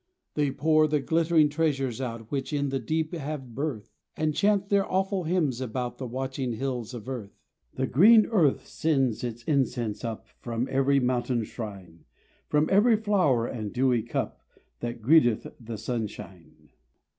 They pour the glittering treasures out Which in the deep have birth, And chant their awful hymns about The watching hills of earth. The green earth sends its incense up From every mountain shrine, From every flower and dewy cup That greeteth the sunshine.